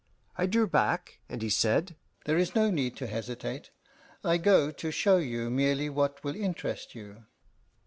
I drew back, and he said, "There is no need to hesitate; I go to show you merely what will interest you."